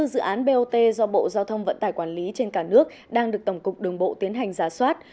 năm mươi bốn dự án bot do bộ giao thông vận tải quản lý trên cả nước đang được tổng cục đường bộ tiến hành giá soát